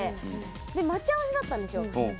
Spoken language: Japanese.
で待ち合わせだったんですよ。